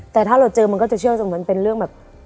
แต่ถ้าเราเจอมันก็จะเชื่อเหมือนเป็นเรื่องแบบ